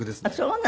そう。